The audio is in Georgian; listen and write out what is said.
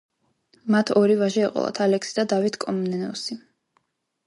მათ ორი ვაჟი ეყოლათ: ალექსი და დავით კომნენოსი.